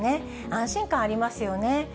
安心感ありますよね。